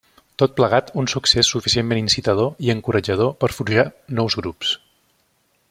Tot plegat un succés suficientment incitador i encoratjador per forjar nous grups.